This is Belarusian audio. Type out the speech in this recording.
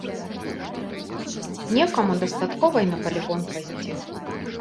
Некаму дастаткова і на палігон пайсці.